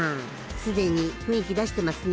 すでに雰囲気出してますね。